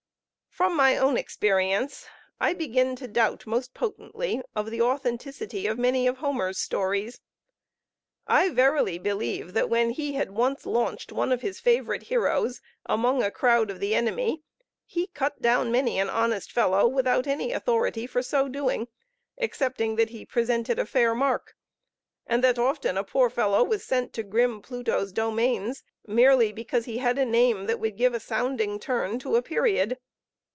From my own experience I begin to doubt most potently of the authenticity of many of Homer's stories. I verily believe that when he had once launched one of his favorite heroes among a crowd of the enemy, he cut down many an honest fellow, without any authority for so doing, excepting that he presented a fair mark; and that often a poor fellow was sent to grim Pluto's domains, merely because he had a name that would give a sounding turn to a period.